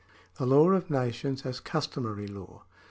The Lavir of Nations as Customary Lavtf.